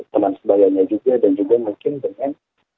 teman sebayanya juga dan juga mungkin dengan